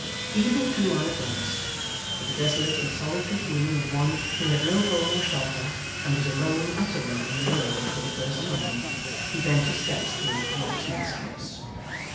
Evening drew on at last. With the desolate and solitary feeling of one who had no home or shelter, and was alone utterly in the world for the first time, he bent his steps towards the locksmith's house.